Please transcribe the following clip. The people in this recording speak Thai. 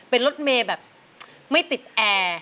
เป็นรถเมย์แบบไม่ติดแอร์